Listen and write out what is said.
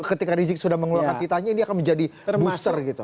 jadi ketika risik sudah mengeluarkan titanya ini akan menjadi booster gitu